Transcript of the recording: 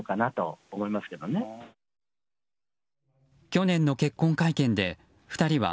去年の結婚会見で２人は